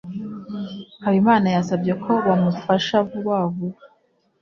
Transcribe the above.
Habimana yasabye ko bamufasha vuba vuba